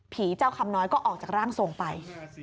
เจ้าคำน้อยก็ออกจากร่างทรงไป